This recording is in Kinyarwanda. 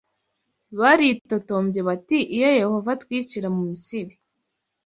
baritotombye bati iyo Yehova atwicira mu Misiri